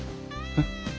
えっ？